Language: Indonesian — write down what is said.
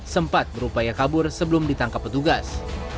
sempat berupaya kabur sebelum ditangkap petugas